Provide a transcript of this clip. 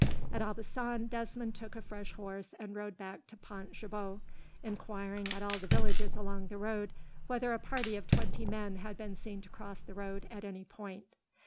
At Aubusson, Desmond took a fresh horse and rode back to Pont Gibaut, enquiring at all the villages along the road whether a party of twenty men had been seen to cross the road, at any point.